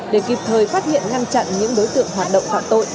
để kịp thời phát hiện ngăn chặn những đối tượng hoạt động phạm tội